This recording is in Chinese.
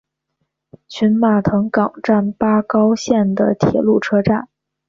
群马藤冈站八高线的铁路车站。